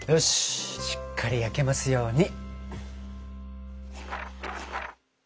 しっかり焼けますように！